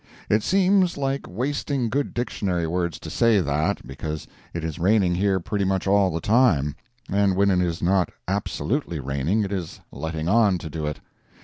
It seems like wasting good dictionary words to say that, because it is raining here pretty much all the time, and when it is not absolutely raining, it is letting on to do it.